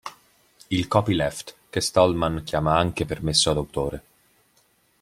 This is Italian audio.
Il copyleft, che Stallman chiama anche permesso d'autore.